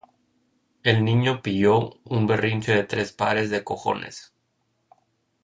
El niño pilló un berrinche de tres pares de cojones